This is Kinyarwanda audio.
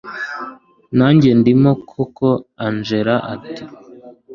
nanjye ndimo koko angella ati